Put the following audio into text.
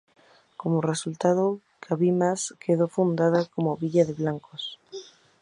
Como resultado Cabimas quedó fundada como una villa de blancos.